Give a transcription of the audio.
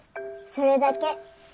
それだけ。